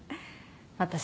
私